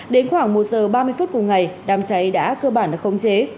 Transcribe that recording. đến khoảng một giờ ba mươi phút cùng ngày đám cháy đã cơ bản được khống chế